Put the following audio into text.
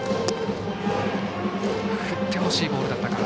振ってほしいボールだったか。